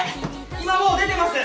今もう出てます。